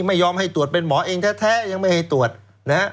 ไม่ยอมให้ตรวจเป็นหมอเองแท้ยังไม่ให้ตรวจนะฮะ